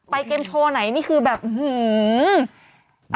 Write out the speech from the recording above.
ไปเกมโชว์ไหนนี่คือแบบหืม